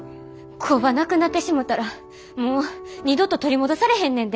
工場なくなってしもたらもう二度と取り戻されへんねんで。